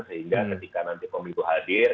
sehingga ketika nanti pemilu hadir